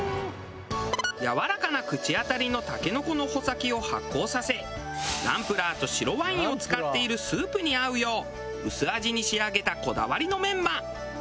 やわらかな口当たりのタケノコの穂先を発酵させナンプラーと白ワインを使っているスープに合うよう薄味に仕上げたこだわりのメンマ。